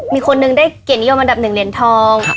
มีคนหนึ่งได้เกียรตินิยมอันดับ๑เหรียญทอง